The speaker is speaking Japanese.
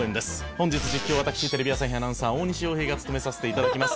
本日実況は私テレビ朝日アナウンサー大西洋平が務めさせて頂きます。